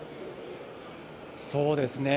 そうですね。